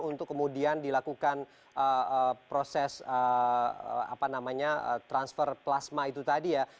untuk kemudian dilakukan proses transfer plasma itu tadi ya